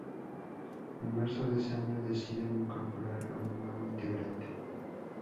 En marzo de ese año, deciden incorporar a un nuevo integrante.